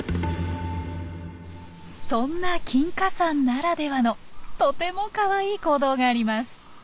そんな金華山ならではのとてもかわいい行動があります。